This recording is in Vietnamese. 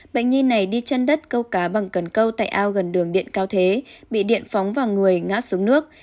bệnh nhi này đi chân đất câu cá bằng cần câu tại ao gần đường điện cao thế bị điện phóng vào người ngã xuống nước